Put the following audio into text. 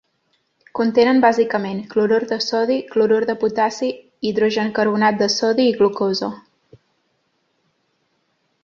Contenen bàsicament, clorur de sodi, clorur de potassi, hidrogencarbonat de sodi i glucosa.